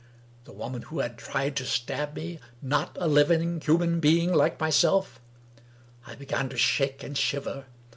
The woman who had tried to stab me, not a living human being like myself? I began to shake and shiver.